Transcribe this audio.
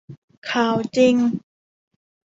ข่าวจริง